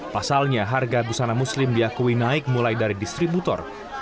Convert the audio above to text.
pasalnya harga busana muslim diakui naik mulai dari distributor